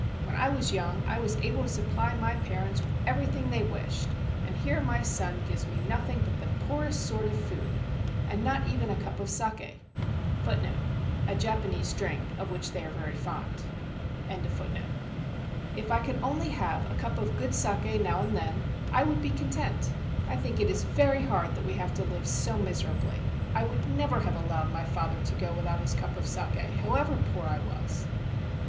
"When I was young, I was able to supply my parents with everything they wished, and here my son gives me nothing but the poorest sort of food, and not even a cup of saki . 1 If I could 1 A Japanese drink, of which they are very fond. 149 THE ENCHANTED WATERFALL only have a cup of good saki now and then, I would be content. I think it is very hard that we have to live so miserably. I would never have allowed my father to go without his cup of saki, however poor I was."